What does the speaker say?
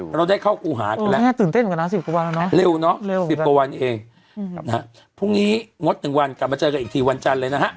พรุ่งนี้งด๑วันกลับมาเจอกันอีกทีวันจันทร์เลยนะฮะ